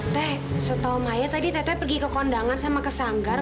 nek setau maya tadi teteh pergi ke kondangan sama kesanggar